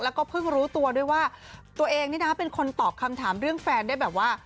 แล้วก็เพิ่งรู้ตัวด้วยว่าตัวเองนี่นะเป็นคนตอบคำถามเรื่องแฟนได้แบบว่า